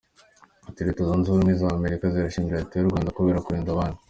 Ati: “Leta Zunze Ubumwe z’Amerika zirashimira Leta y’u Rwanda kubera kurinda abandi.